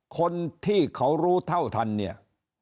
คนที่เขารู้เท่าทันเนี่ย